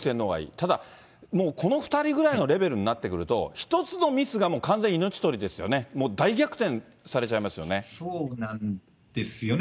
ただこの２人ぐらいのレベルになってくると、一つのミスがもう完全に命取りですよね、もう大逆転されちゃいまそうなんですよね。